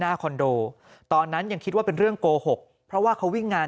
คอนโดตอนนั้นยังคิดว่าเป็นเรื่องโกหกเพราะว่าเขาวิ่งงาน